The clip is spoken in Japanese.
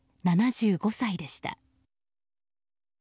７５歳でした。